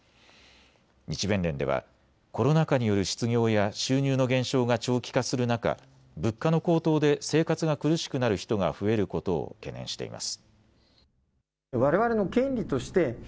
日弁連ではコロナ禍による失業や収入の減少が長期化する中、物価の高騰で生活が苦しくなる人が増えることを懸念しています。